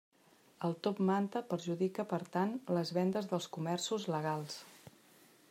El top manta perjudica per tant les vendes dels comerços legals.